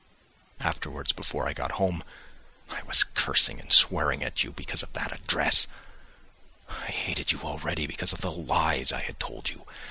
Afterwards, before I got home, I was cursing and swearing at you because of that address, I hated you already because of the lies I had told you.